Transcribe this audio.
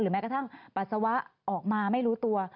แม้กระทั่งปัสสาวะออกมาไม่รู้ตัว